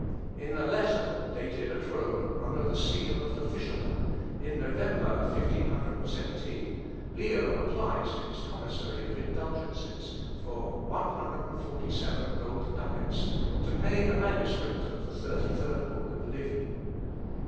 In a letter, dated at Rome, under the seal of the Fisherman, in November, 1517, Leo applies to his commissary of indulgences for one hundred and forty seven gold ducats, to pay a manuscript of the thirty third book of Livy.